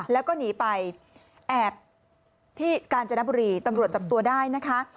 แล้วก็หนีไปแอบที่กาญจนบุรีตำรวจจับตัวได้นะคะ